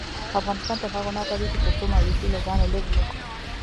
افغانستان تر هغو نه ابادیږي، ترڅو مایوسي له ځانه لیرې نکړو.